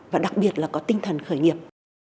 và đặc biệt là có tinh thần khởi nghiệp